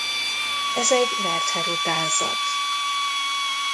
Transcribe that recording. Ez egy Werther-utánzat.